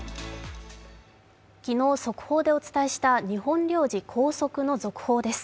昨日、速報でお伝えした日本領事拘束の速報です。